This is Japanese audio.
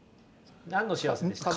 何の幸せでした？